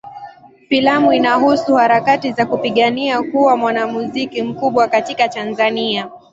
Filamu inahusu harakati za kupigania kuwa mwanamuziki mkubwa katika Tanzania.